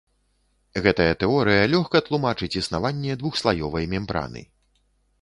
Гэтая тэорыя лёгка тлумачыць існаванне двухслаёвай мембраны.